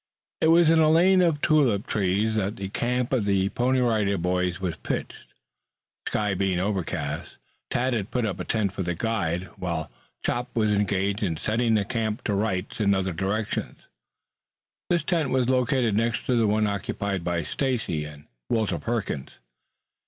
It was in a lane of tulip trees that the camp of the Pony Rider Boys was pitched. The sky being overcast, Tad had put up a tent for the guide while Chops was engaged in setting the camp to rights in other directions. This tent was located next to the one occupied by Stacy and Walter Perkins.